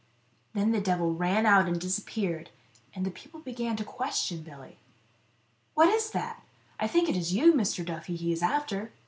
Then the devil ran out and disappeared, and the people began to question Billy : "What is that? I think it is you, Mister Duffy, he is after."